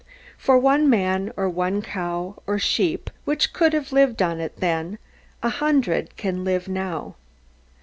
For one man or one cow or sheep which could have lived on it then, a hundred can live now.